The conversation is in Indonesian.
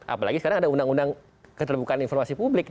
apalagi sekarang ada undang undang keterbukaan informasi publik